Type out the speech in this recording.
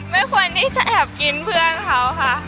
ไม่ควรที่จะแอบกินเพื่อนเขาค่ะ